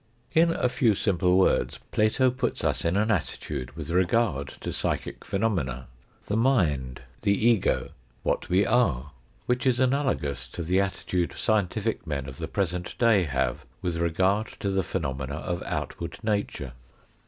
In a few simple words Plato puts us in an attitude with regard to psychic phenomena the mind the ego "what we are," which is analogous to the attitude scientific men of the present day have with regard to the phenomena 252 THE FOURTH DIMENSION of outward nature.